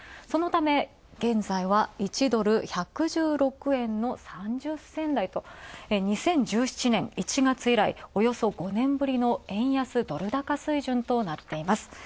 そのため現在は１ドル、１１６円の３０銭台と２０１７年１月以来およそ５年ぶりの円安ドル高水準となっています。